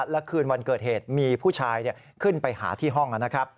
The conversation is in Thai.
และคืนวันเกิดเหตุมีผู้ชายขึ้นไปหาที่ห้องนะครับ